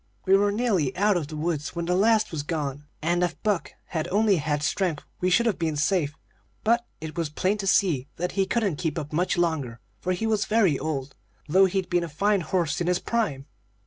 "We were nearly out of the woods when the last was gone, and if Buck had only had strength we should have been safe. But it was plain to see that he couldn't keep up much longer, for he was very old, though he'd been a fine horse in his prime.